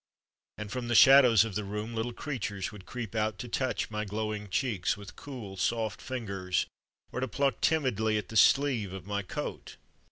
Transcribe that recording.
And from the shadows of the room little creatures would creep out to touch my glowing cheeks with cool, soft fingers, or to pluck timidly at the sleeve of my coat.